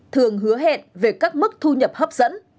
thường hứa hẹn về các mức thu nhập hấp dẫn